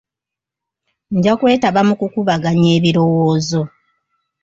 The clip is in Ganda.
Nja kwetaba mu kukubaganya ebirowoozo.